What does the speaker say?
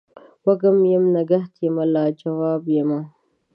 وږم یم نګهت یم لا جواب یمه